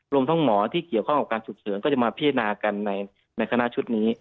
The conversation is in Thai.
รวมทั้งหมอที่เกี่ยวข้องกับการฉุกเฉินก็จะมาพิจารณากันในคณะชุดนี้